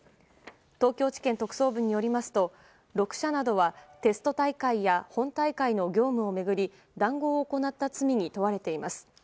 東京地検特捜部によりますと６社などはテスト大会や本大会の業務を巡り談合を行った罪に問われています。